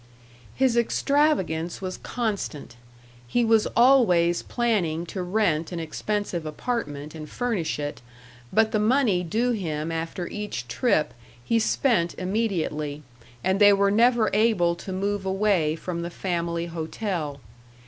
His extravagance was constant. He was always planning to rent an expensive apartment and furnish it, but the money due him after each trip he spent immediately and they were never able to move away from the family hotel.